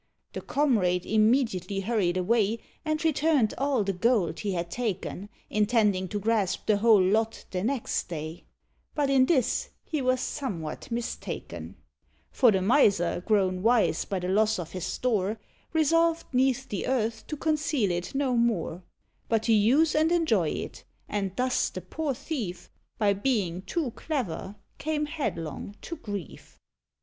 The comrade immediately hurried away, And returned all the gold he had taken, Intending to grasp the whole lot the next day; But in this he was somewhat mistaken; For the Miser grown wise by the loss of his store, Resolved 'neath the earth to conceal it no more, But to use and enjoy it; and thus the poor thief, By being too clever, came headlong to grief.